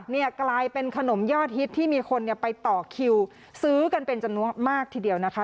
นี่กลายเป็นขนมยอดฮิตที่มีคนไปต่อคิวซื้อกันเป็นจำนวนมากทีเดียวนะคะ